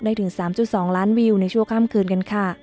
ถึง๓๒ล้านวิวในชั่วข้ามคืนกันค่ะ